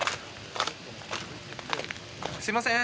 すみません！